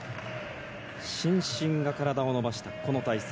伸身が体を伸ばした体勢。